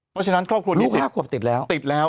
เพราะฉะนั้นครอบครัวนี้ติดแล้ว